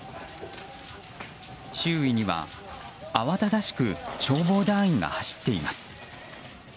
周囲には慌ただしく消防団員が走っています。